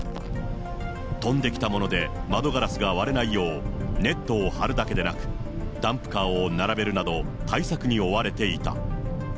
飛んできたもので窓ガラスが割れないよう、ネットを張るだけでなく、ダンプカーを並べるなど、対策に追われていた。